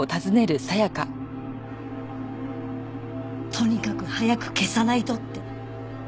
とにかく早く消さないとって。